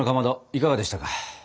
いかがでしたか？